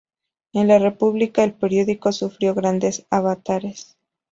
En la república el periódico sufrió grandes avatares.